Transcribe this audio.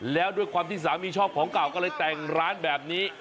แล้วด้วยความที่สามีชอบของเก่าก็เลยแต่งร้านแบบนี้